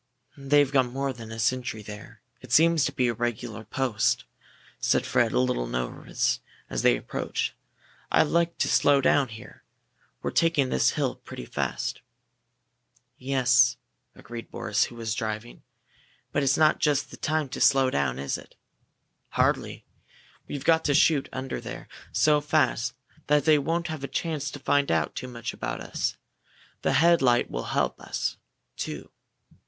"They've got more than a sentry there. It seems to be a regular post," said Fred, a little nervous, as they approached. "I'd like to slow down here we're taking this hill pretty fast." "Yes," agreed Boris, who was driving. "But it's not just the time to slow down, is it?" "Hardly. We've got to shoot under there so fast that they won't have a chance to find out too much about us. The headlight will help us, too.